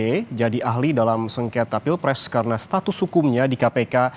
menjadi ahli dalam sengkita pilpres karena status hukumnya di kpk